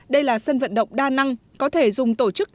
đây là sân vận động đa năng có thể dùng tổ chức nhiều môn